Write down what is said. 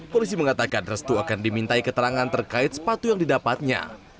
polisi mengatakan restu akan dimintai keterangan terkait sepatu yang didapatnya